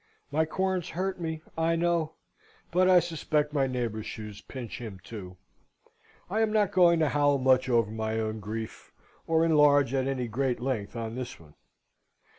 My corns hurt me, I know, but I suspect my neighbour's shoes pinch him too. I am not going to howl much over my own grief, or enlarge at any great length on this one.